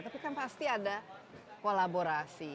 tapi kan pasti ada kolaborasi